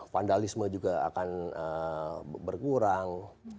vandalisme juga akan berkurang